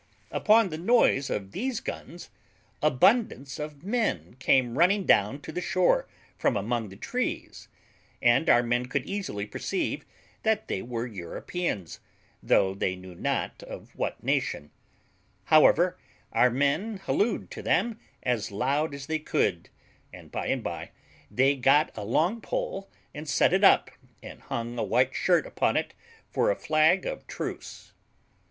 Upon the noise of these guns, abundance of men came running down to the shore from among the trees; and our men could easily perceive that they were Europeans, though they knew not of what nation; however, our men hallooed to them as loud as they could, and by and by they got a long pole, and set it up, and hung a white shirt upon it for a flag of truce.